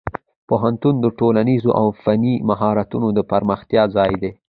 پوهنتون د ټولنیزو او فني مهارتونو د پراختیا ځای دی.